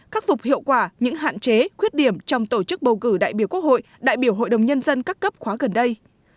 khắc phục hiệu quả những hạn chế khuyết điểm trong tổ chức bầu cử đại biểu quốc hội đại biểu hội đồng nhân dân các cấp khóa gần đây